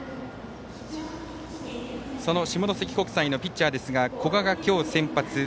その下関国際のピッチャーですが古賀が今日先発。